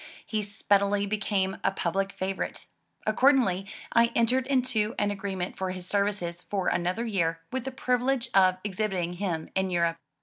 He speedily became a public favorite. Accordingly I entered into an agree ment for his services for another year with the privilege of ex hibiting him in Europe.